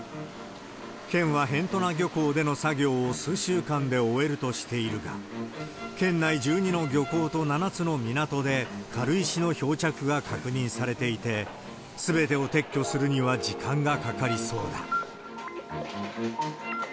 県は辺土名漁港での作業を数週間で終えるとしているが、県内１２の漁港と７つの港で軽石の漂着が確認されていて、すべてを撤去するには時間がかかりそうだ。